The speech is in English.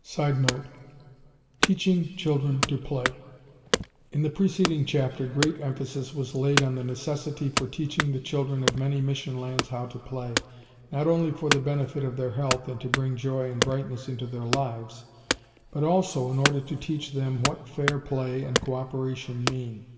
[Sidenote: Teaching children to play.] In the preceding chapter great emphasis was laid on the necessity for teaching the children of many mission lands how to play, not only for the benefit of their health and to bring joy and brightness into their lives, but also in order to teach them what "fair play" and co operation mean.